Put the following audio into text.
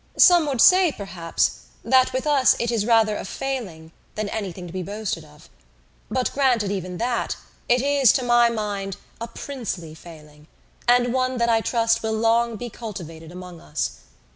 Some would say, perhaps, that with us it is rather a failing than anything to be boasted of. But granted even that, it is, to my mind, a princely failing, and one that I trust will long be cultivated among us.